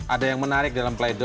ada yang menarik dalam play doh